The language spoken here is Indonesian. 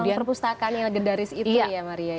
ruang perpustakaan yang legendaris itu ya maria